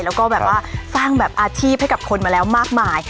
แล้วก็แบบว่าสร้างแบบอาชีพให้กับคนมาแล้วมากมาย